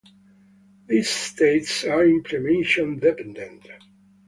These states are implementation-dependent.